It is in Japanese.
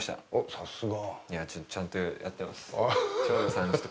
さすが。